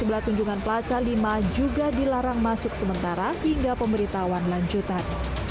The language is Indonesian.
kalau omong bekerjanya sementara memang dari pusat